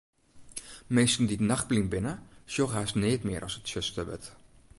Minsken dy't nachtblyn binne, sjogge hast neat mear as it tsjuster wurdt.